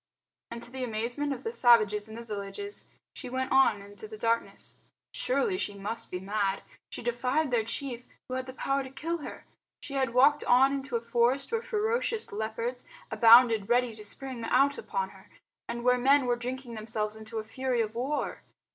And to the amazement of the savages in the villages she went on into the darkness. Surely she must be mad. She defied their chief who had the power to kill her. She had walked on into a forest where ferocious leopards abounded ready to spring out upon her, and where men were drinking themselves into a fury of war.